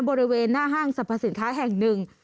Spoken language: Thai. บริเวณหน้าห้างสรรพสินค้าแห่งหนึ่ง